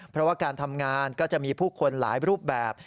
เพราะว่าการทำงานก็จะมีผู้คนหลายรูปแบบ